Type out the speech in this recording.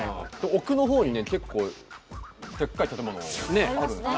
奥の方にね結構でっかい建物あるんですね。